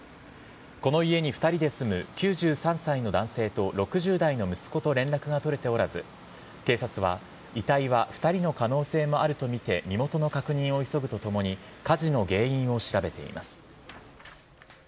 この家に２人で住む９３歳の男性と６０代の息子と連絡が取れておらず警察は遺体は２人の可能性もあるとみて身元の確認を急ぐとともに火事の原因を調べています。